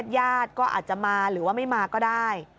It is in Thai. ญาติก็อาจจะมาหรือว่าไม่มาก็ได้